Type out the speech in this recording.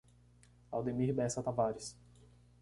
Aldemir Bessa Tavares